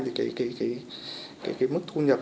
thì cái mức thu nhập